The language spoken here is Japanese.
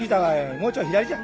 もうちょい左じゃ。